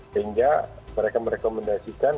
sehingga mereka merekomendasikan